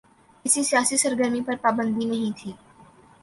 کسی سیاسی سرگرمی پر پابندی نہیں تھی۔